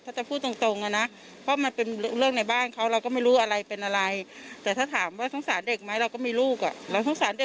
จะหาผัวใหม่ด้วยอะไรประมาณนี้พูดเล่นพูดอะไรเขาตามภาษาเซลล์แย่กันอะไรอย่างนี้